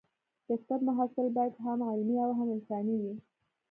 د طب محصل باید هم علمي او هم انساني وي.